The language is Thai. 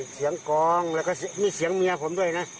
เสียงกรองมีเสียงเมียผมด้วยนะ